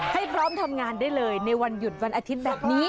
ให้พร้อมทำงานได้เลยในวันหยุดวันอาทิตย์แบบนี้